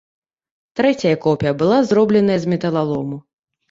Трэцяя копія была зробленая з металалому.